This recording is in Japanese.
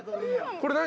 これ何？